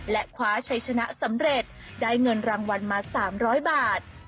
และคว้าชัยชนะสำเร็จได้เงินรางวัลมา๓๐๐บาท